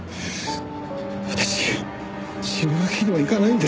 私死ぬわけにはいかないんですよ。